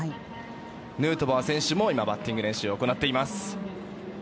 ヌートバー選手もバッティング練習を行っています。